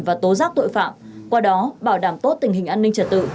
và tố giác tội phạm qua đó bảo đảm tốt tình hình an ninh trật tự